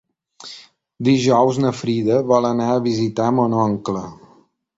Dijous na Frida vol anar a visitar mon oncle.